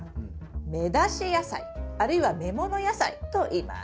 芽出し野菜あるいは芽もの野菜といいます。